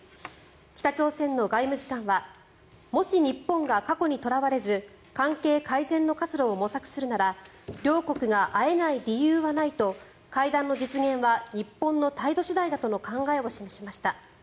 北朝鮮の外務次官はもし日本が過去にとらわれず関係改善の活路を模索するなら両国が会えない理由はないと会談の実現は日本の態度次第だとの考えを示しました。